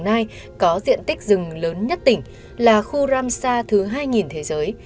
hôm nay có diện tích rừng lớn nhất tỉnh là khu ramsar thứ hai thế giới